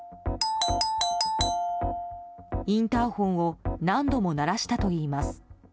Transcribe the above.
インターホンを何度も鳴らしたといいます。